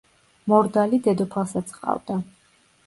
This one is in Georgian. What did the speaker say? მორდალი დედოფალსაც ჰყავდა.